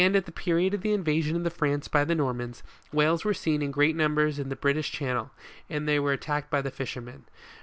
At the period of the invasion of France by the Normans, whales were seen in great numbers in the British channel, and were there attacked by the fishermen.